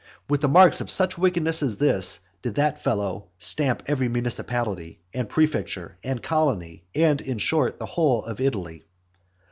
With the marks of such wickedness as this did that fellow stamp every municipality, and prefecture, and colony, and, in short, the whole of Italy.